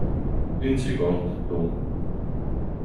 Ün seguond tun.